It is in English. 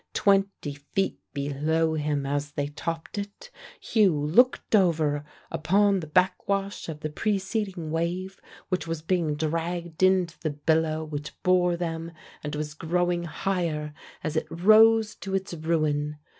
Twenty feet below him as they topped it, Hugh looked over upon the backwash of the preceding wave which was being dragged into the billow which bore them and was growing higher as it rose to its ruin.